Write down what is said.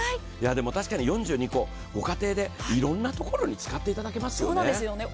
確かに４２個、御家庭でいろんなところに使っていただけますよね。